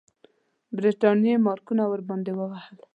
برټانیې مارکونه ورباندې وهل.